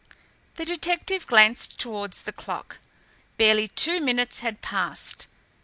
The detective glanced towards the clock. Barely two minutes had passed.